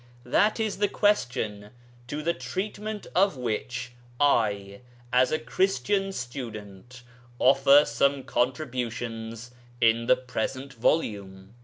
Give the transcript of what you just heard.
That is the question to the treatment of which I (as a Christian student) offer some contributions in the present volume.